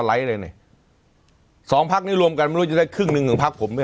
คงไม่กลายสไลก์เลยสองภัคดิ์รวมกันไม่ได้คลึ่งนึงภัคดิ์ผม